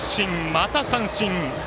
また三振。